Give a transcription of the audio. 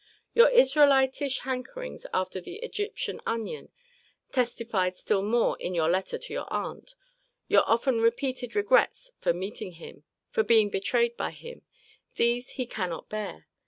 Your Israelitish hankerings after the Egyptian onion, (testified still more in your letter to your aunt,) your often repeated regrets for meeting him, for being betrayed by him these he cannot bear.